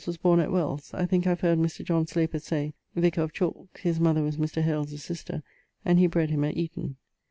, was borne at Wells, I thinke I have heard Mr. John Sloper say (vicar of Chalke; his mother was Mr. Hales's sister, and he bred him at Eaton).